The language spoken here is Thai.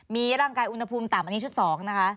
มีร่างกายอุณหภูมิต่ำอันนี้ชุด๒นะคะ